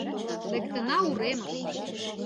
Лектына уремыш.